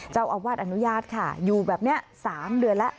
เจ้าอาวาสอนุญาตค่ะอยู่แบบนี้๓เดือนแล้ว